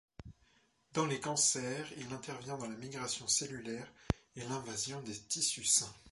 Dans les cancers, il intervient dans la migration cellulaire et l'invasion des tissus sains.